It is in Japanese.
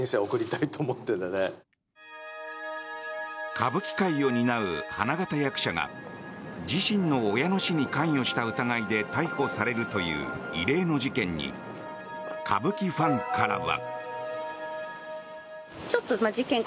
歌舞伎界を担う花形役者が自身の親の死に関与した疑いで逮捕されるという異例の事件に歌舞伎ファンからは。